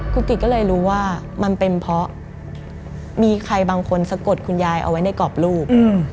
คุณกิจก็เลยรู้ว่ามันเป็นเพราะมีใครบางคนสะกดคุณยายเอาไว้ในกรอบรูป